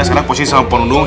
oke sekarang posisi sama ponung